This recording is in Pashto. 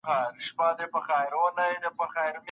ما خو دېوال نه دی نڼولی .